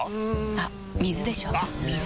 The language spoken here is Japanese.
あっ水でしょ！